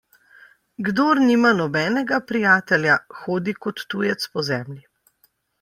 Kdor nima nobenega prijatelja, hodi kot tujec po zemlji.